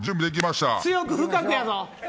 強く、深くやぞ。